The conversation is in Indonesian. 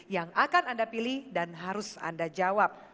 yang akan anda pilih dan harus anda jawab